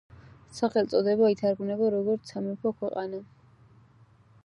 სახელწოდება ითარგმნება როგორც „სამეფო ქვეყანა“.